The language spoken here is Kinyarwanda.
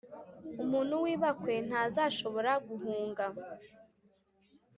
umuntu w’ibakwe ntazashobora guhunga,